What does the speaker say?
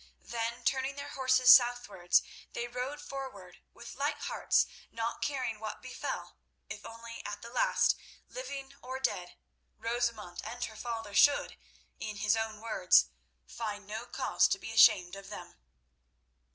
Then, turning their horses southwards, they rode forward with light hearts, not caring what befell, if only at the last, living or dead, Rosamund and her father should, in his own words, find no cause to be ashamed of them.